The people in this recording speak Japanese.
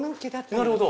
なるほど。